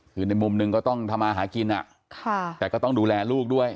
คือในมุมหนึ่งก็ต้องทำมาหากินแต่ก็ต้องดูแลลูกด้วย